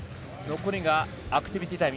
残りがアクティビティータイム